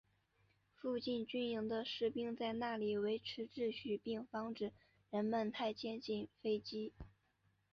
附近军营的士兵在那里维持秩序并防止人们太接近飞机。